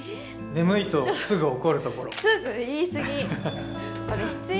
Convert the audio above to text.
眠いとすぐ怒るところすぐ言いすぎこれ必要？